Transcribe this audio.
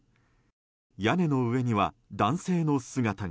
屋根の上には男性の姿が。